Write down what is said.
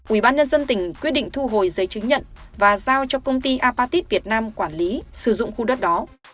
ubnd tỉnh quyết định thu hồi giấy chứng nhận và giao cho công ty apatit việt nam quản lý sử dụng khu đất đó